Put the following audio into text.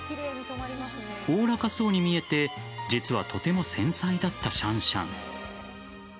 おおらかそうに見えて実はとても繊細だったシャンシャン。